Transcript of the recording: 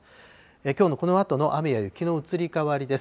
きょうのこのあとの雨や雪の移り変わりです。